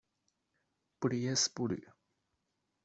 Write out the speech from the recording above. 布利耶斯布吕。